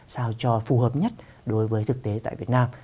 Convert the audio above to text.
sao cho phù hợp nhất đối với thực tế tại việt nam